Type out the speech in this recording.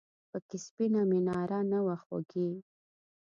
پکې سپینه میناره نه وه خوږې !